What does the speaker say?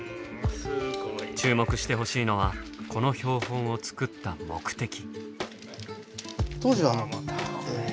注目してほしいのはこの標本を作った目的。